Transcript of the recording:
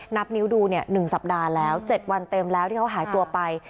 นับนิ้วดู๑สัปดาห์แล้ว๗วันเต็มแล้วที่เขาหายตัวไป